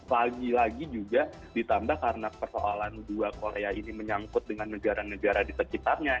lagi lagi juga ditambah karena persoalan dua korea ini menyangkut dengan negara negara di sekitarnya